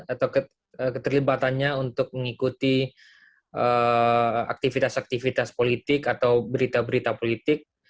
atau keterlibatannya untuk mengikuti aktivitas aktivitas politik atau berita berita politik